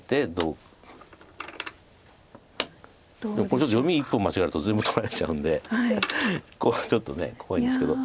これちょっと読み１本間違えると全部取られちゃうんでここはちょっと怖いんですけど。